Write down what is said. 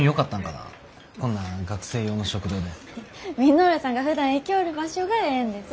稔さんがふだん行きょおる場所がええんです。